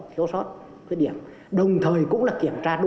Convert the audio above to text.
thiếu sót khuyết điểm đồng thời cũng là kiểm tra thành phố